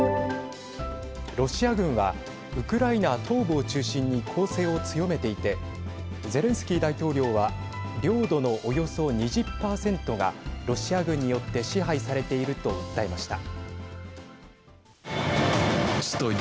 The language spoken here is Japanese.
ロシア軍はウクライナ東部を中心に攻勢を強めていてゼレンスキー大統領は領土のおよそ２０％がロシア軍によって支配されていると訴えました。